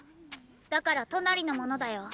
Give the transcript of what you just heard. だからトナリのものだよ。